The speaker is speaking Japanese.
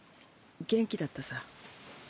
元気だったさ。